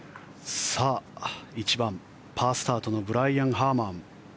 １番、パースタートのブライアン・ハーマン。